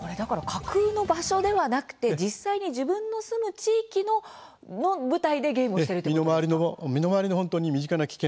架空の場所ではなくて実際に自分の住む地域の舞台でゲームをしているということですか。